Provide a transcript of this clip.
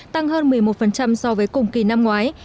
tăng hơn một mươi một so với cùng kỳ năm ngoái